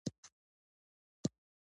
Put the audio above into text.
د زړه عملیات د ځینو خلکو لپاره ژوند ژغوري.